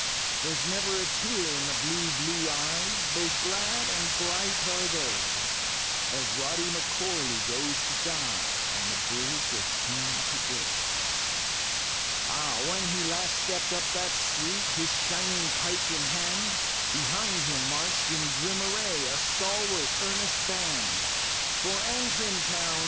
There's never a tear in the blue, blue eyesj Both glad and bright are they — As R(^y M'Corl^ goes to die On the Bridge of 'nx>me to day. THE POEMS OF ETHNA CARBERY 83 Ah! when he last stepped up that streeti His shining pike in hand| Behind him marched in grim array A stalwart earnest band ! For Antrim town